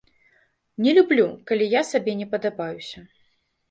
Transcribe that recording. Не люблю, калі я сабе не падабаюся.